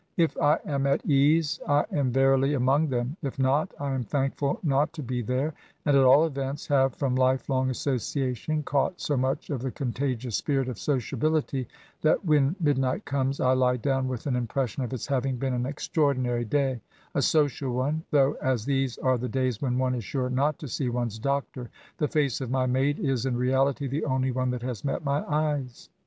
If I am at ease, I am verily among them : if not, I am thankful not to be there ; and, kt all events have, from life long association, caught so much of the contagious spirit of sociability, that, when midnight comes, I lie down with an impres sion of its having been an extraordinary day, — a social one, though, (as these are the days when one is sure Jiot to see one's doctor,) the face of my maid is, in reality, the only one that has met my eyes.